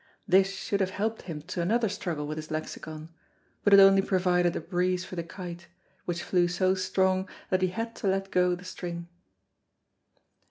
This should have helped him to another struggle with his lexicon, but it only provided a breeze for the kite, which flew so strong that he had to let go the string.